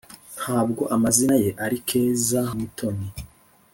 nubwo amazina ye ari keza mutoni